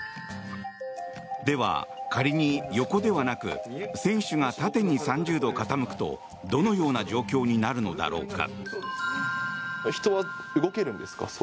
では、仮に横ではなく船首が縦に３０度傾くとどのような状況になるのだろうか。